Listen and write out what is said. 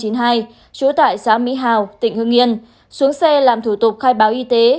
trú tại xã mỹ hào tỉnh hương yên xuống xe làm thủ tục khai báo y tế